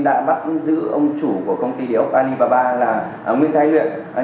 đã bắt giữ ông chủ của công ty điều úc alibaba là nguyễn thái luyện